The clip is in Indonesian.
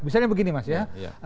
misalnya begini mas ya